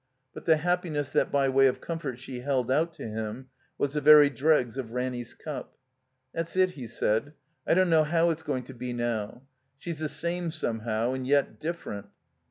But the happiness that by way of comfort she held out to him was the very dregs of Ranny's cup. "That's it," he said. "I don't know how it's going to be now. She's the same, somehow, and yet different."